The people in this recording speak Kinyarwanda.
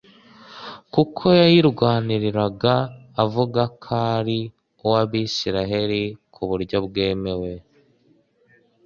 kuko yayirwaniraga avuga ko ari uwAbisirayeli mu buryo bwemewe